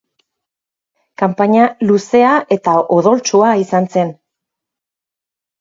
Kanpaina luzea eta odoltsua izan zen.